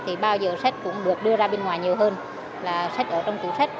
thì bao giờ sách cũng được đưa ra bên ngoài nhiều hơn là sách ở trong tủ sách